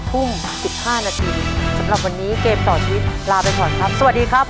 สำหรับวันนี้เกมต่อชีวิตลาไปถอนครับสวัสดีครับ